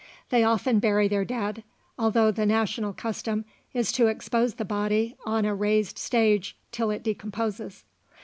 They often bury their dead, although the national custom is to expose the body an a raised stage till it decomposes.